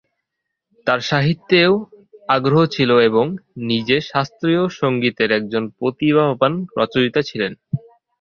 তাঁর সাহিত্যেও আগ্রহ ছিল এবং নিজে শাস্ত্রীয় সংগীতের একজন প্রতিভাবান রচয়িতা ছিলেন।